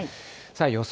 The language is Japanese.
予想